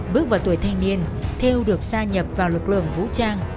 bước vào tuổi thanh niên thêu được sa nhập vào lực lượng vũ trang